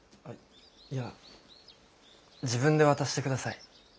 いや自分で渡して下さい。